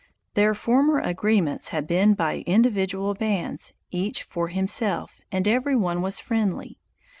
Their former agreements had been by individual bands, each for itself, and every one was friendly.